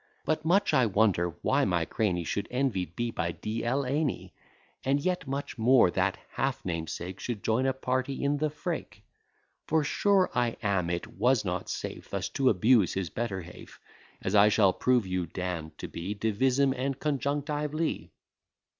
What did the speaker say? But much I wonder, why my crany Should envied be by De el any: And yet much more, that half namesake Should join a party in the freak. For sure I am it was not safe Thus to abuse his better half, As I shall prove you, Dan, to be, Divisim and conjunctively.